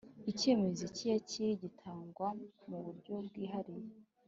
icyemezo cy’iyakira gitangwa mu buryo bwihariye